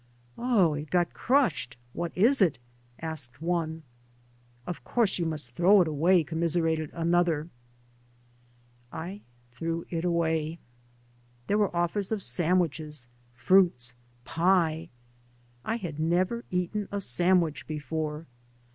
Oh, it got crushed. What is it? " asked one. '* Of course you must throw it away," com miserated another. I threw it away. .There were offers of sandwiches, fruits, pie. I had never eaten a sandwich before.